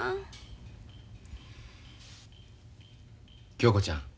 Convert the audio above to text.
恭子ちゃん。